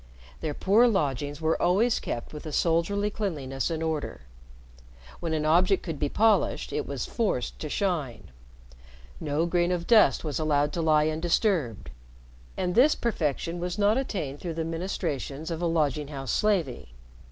Their poor lodgings were always kept with a soldierly cleanliness and order. When an object could be polished it was forced to shine, no grain of dust was allowed to lie undisturbed, and this perfection was not attained through the ministrations of a lodging house slavey.